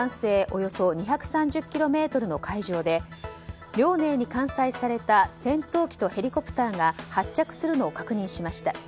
およそ２３０ｋｍの海上で、「遼寧」に艦載された戦闘機とヘリコプターが発着するのを確認しました。